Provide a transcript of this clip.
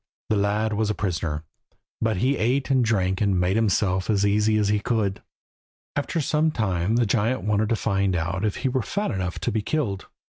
The lad was a prisoner, but he ate and drank and made himself as easy as he could. After some time the giant wanted to find out if he were fat enough to be killed.